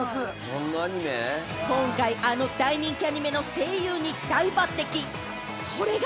今回あの大人気アニメの声優に大抜てき、それが。